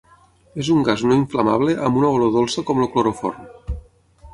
És un gas no inflamable amb una olor dolça com el cloroform.